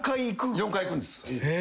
４回いくんです。